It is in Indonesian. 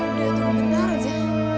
udah itu lo bentar aja